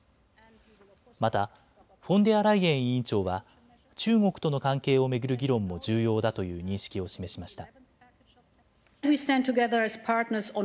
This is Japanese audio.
またフォンデアライエン委員長は中国との関係を巡る議論も重要だという認識を示しました。